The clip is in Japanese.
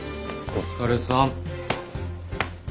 お疲れさん。